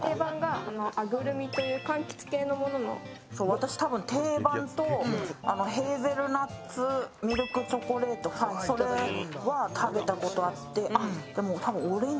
私、多分定番とヘーゼルナッツ、ミルクチョコレートそれは食べたことあって。